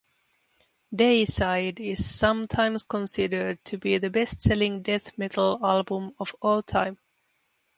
"Deicide" is sometimes considered to be the bestselling death metal album of all time.